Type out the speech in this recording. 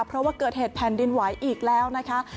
เพราะว่าเกิดเหตุแผ่นดินไหวอีกแล้วนะคะ